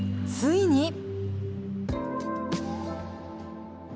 ついに。